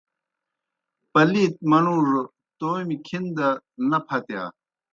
پلِیت منُوڙوْ تومیْ کھن دہ نہ پھتِیا۔